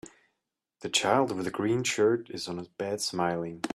The child with a green shirt is on a bed smiling